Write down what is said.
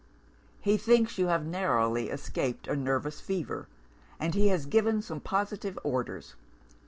"He thinks you have narrowly escaped a nervous fever; and he has given some positive orders.